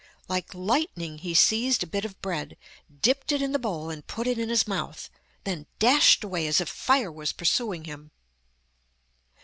Like lightning he seized a bit of bread, dipped it in the bowl, and put it in his mouth, then dashed away as if fire was pursuing him.